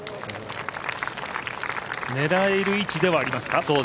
狙える位置ではありますか？